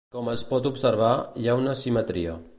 Com es pot observar, hi ha una simetria.